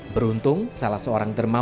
beruntung salah seorang dermawang